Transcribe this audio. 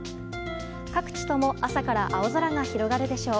各地とも朝から青空が広がるでしょう。